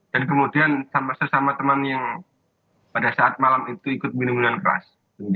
dan kemudian sama sesama teman yang pada saat malam itu ikut pembinaan kelas